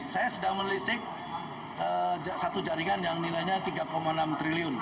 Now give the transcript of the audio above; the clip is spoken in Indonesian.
saya sedang menelisik satu jaringan yang nilainya tiga enam triliun